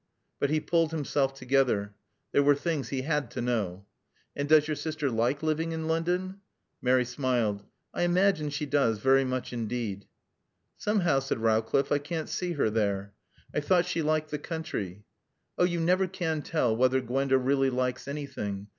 But he pulled himself together. There were things he had to know. "And does your sister like living in London?" Mary smiled. "I imagine she does very much indeed." "Somehow," said Rowcliffe, "I can't see her there. I thought she liked the country." "Oh, you never can tell whether Gwenda really likes anything.